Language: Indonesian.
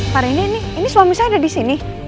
pari ini ini suami saya ada disini